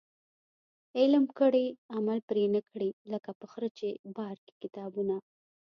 علم کړي عمل پري نه کړي ، لکه په خره چي بار کړي کتابونه